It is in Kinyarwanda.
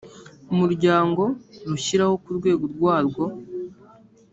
umuryango rushyiraho ku rwego rwarwo